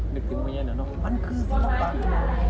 นึกถึงไม่เย็นเหรอมันคือสมบัติ